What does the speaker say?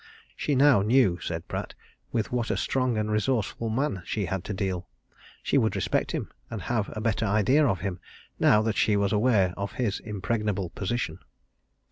She now knew, said Pratt, with what a strong and resourceful man she had to deal: she would respect him, and have a better idea of him, now that she was aware of his impregnable position.